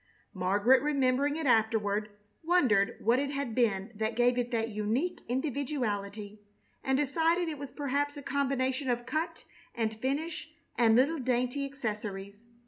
Margaret, remembering it afterward, wondered what it had been that gave it that unique individuality, and decided it was perhaps a combination of cut and finish and little dainty accessories.